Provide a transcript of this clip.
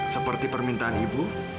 seperti permintaan ibu